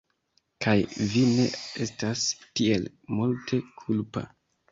kaj vi ne estas tiel multe kulpa.